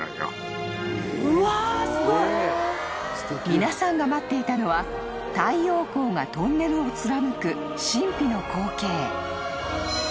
［皆さんが待っていたのは太陽光がトンネルを貫く神秘の光景］